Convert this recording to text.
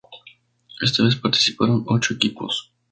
Esta vez participaron ocho equipos.